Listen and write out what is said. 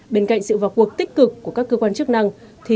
bên cạnh sự vào cuộc tích cực của các cơ quan chức năng